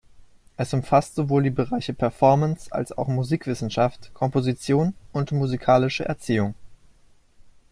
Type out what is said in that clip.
Es umfasst sowohl die Bereiche Performance, als auch Musikwissenschaft, Komposition und musikalische Erziehung.